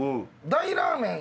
大ラーメン。